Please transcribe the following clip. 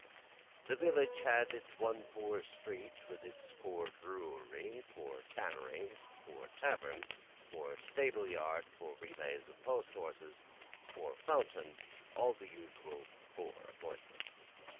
The village had its one poor street, with its poor brewery, poor tannery, poor tavern, poor stable yard for relays of post horses, poor fountain, all usual poor appointments.